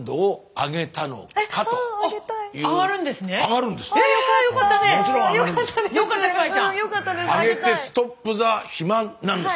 上げて「ストップ・ザ・肥満」なんです。